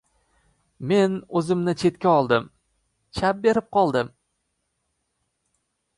Men o‘zimni chetga oldim. Chap berib qoldim.